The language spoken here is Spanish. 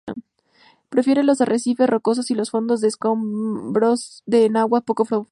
Prefiere los arrecifes rocosos y los fondos de escombros en aguas poco profundas.